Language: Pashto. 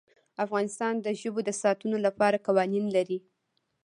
افغانستان د ژبو د ساتنې لپاره قوانین لري.